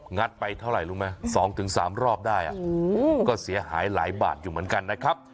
ัดไปเท่าไหร่รู้ไหม๒๓รอบได้ก็เสียหายหลายบาทอยู่เหมือนกันนะครับ